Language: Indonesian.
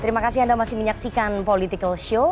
terima kasih anda masih menyaksikan political show